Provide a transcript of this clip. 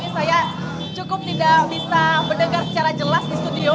saya cukup tidak bisa mendengar secara jelas di studio